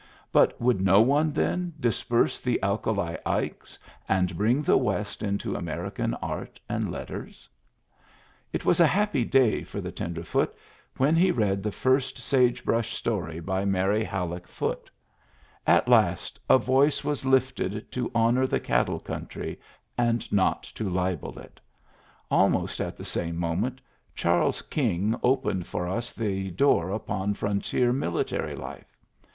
But would no one, then, disperse the Alkali Ikes and bring the West into American art and letters ? It was a happy day for the tenderfoot when he read the first sage brush story by Mary Hal lock Foote. At last a voice was lifted to honor the cattle country and not to libel it. Almost at the same moment Charles King opened for us the door upon frontier military life.